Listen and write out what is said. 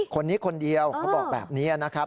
คนนี้คนเดียวเขาบอกแบบนี้นะครับ